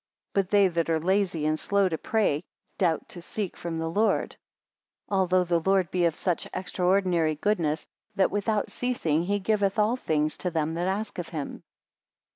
39 But they that are lazy and slow to pray, doubt to seek from the Lord: although the Lord be of such an extraordinary goodness, that without ceasing he giveth all things to them that ask of him.